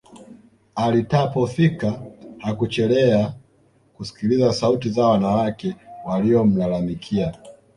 alitapo fika Hakuchelea kusikiliza sauti za wanawake waliomlalamikia